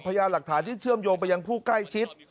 พยายามหลักฐานที่เชื่อมโยงไปยังผู้ใกล้ชิด